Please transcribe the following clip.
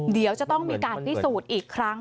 เดี๋ยวจะต้องมีการพิสูจน์อีกครั้ง